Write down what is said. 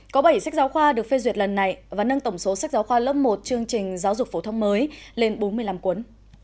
có bảy sách giáo khoa được phê duyệt lần này và nâng tổng số sách giáo khoa lớp một chương trình giáo dục phổ thông mới lên bốn mươi năm cuốn